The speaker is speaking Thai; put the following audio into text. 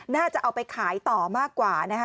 น่าจะเอาไปขายต่อมากกว่านะคะ